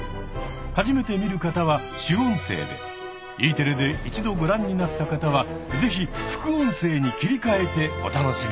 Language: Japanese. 初めて見る方は主音声でＥテレで一度ご覧になった方はぜひ副音声に切りかえてお楽しみください。